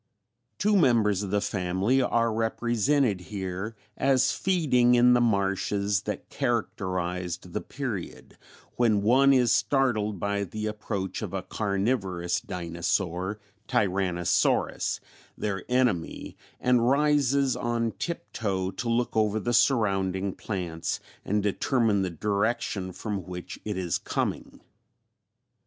Two members of the family are represented here as feeding in the marshes that characterized the period, when one is startled by the approach of a carnivorous dinosaur, Tyrannosaurus, their enemy, and rises on tiptoe to look over the surrounding plants and determine the direction from which it is coming.